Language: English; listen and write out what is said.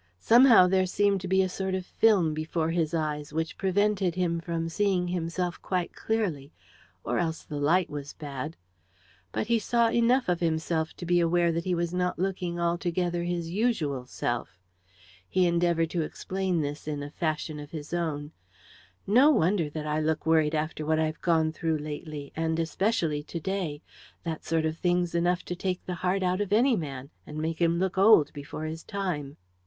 Somehow there seemed to be a sort of film before his eyes which prevented him from seeing himself quite clearly, or else the light was bad! But he saw enough of himself to be aware that he was not looking altogether his usual self. He endeavoured to explain this in a fashion of his own. "No wonder that I look worried after what I've gone through lately, and especially to day that sort of thing's enough to take the heart out of any man, and make him look old before his time."